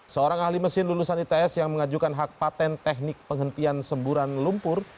seorang ahli mesin lulusan its yang mengajukan hak patent teknik penghentian semburan lumpur